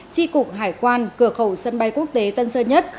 tri cục hải quan cửa khẩu sân bay quốc tế tân sơn nhất